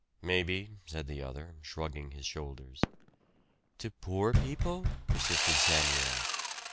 "Maybe," said the other, shrugging his shoulders. "To poor people?" persisted Samuel.